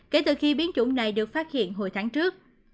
kể từ khi biến chủng này được phát hiện hồi tháng trước